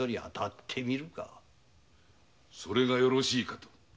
それがよろしいかと。